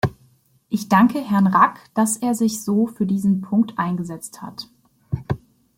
Ich danke Herrn Rack, dass er sich so für diesen Punkt eingesetzt hat.